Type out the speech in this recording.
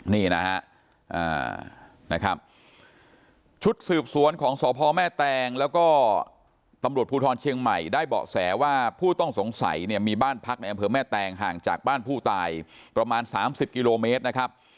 นี่นะฮะชุดสืบสวนของสพแม่แตงแล้วก็ตำรวจภูทรเชียงใหม่ได้เบาะแสว่าผู้ต้องสงสัยเนี่ยมีบ้านพักในอำเภอแม่แตงห่างจากบ้านผู้ตายประมาณ๓๐กิโลเมตรนะครับ